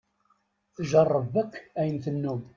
Tjerreb akk ayen tennum.